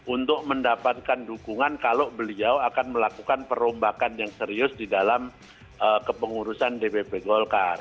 untuk mendapatkan dukungan kalau beliau akan melakukan perombakan yang serius di dalam kepengurusan dpp golkar